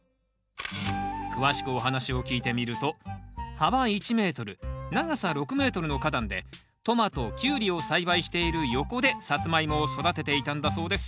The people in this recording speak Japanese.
詳しくお話を聞いてみると幅１ｍ長さ６ｍの花壇でトマトキュウリを栽培している横でサツマイモを育てていたんだそうです